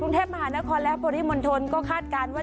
กรุงเทพมหานครและปริมณฑลก็คาดการณ์ว่า